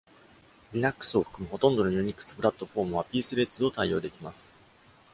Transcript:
Linux を含むほとんどの Unix プラットフォームは Pthreads を対応できます。